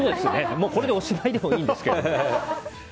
これでおしまいでもいいんですけど。